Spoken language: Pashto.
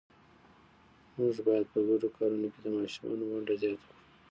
موږ باید په ګډو کارونو کې د ماشومانو ونډه زیات کړو